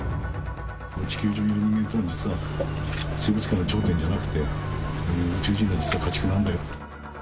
地球上にいる人間っていうのは、実は生物界の頂点じゃなくて、宇宙人の家畜なんだよ。